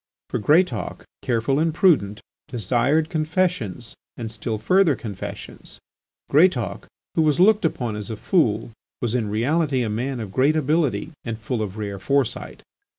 For Greatauk, careful and prudent, desired confessions and still further confessions. Greatauk, who was looked upon as a fool, was in reality a man of great ability and full of rare foresight.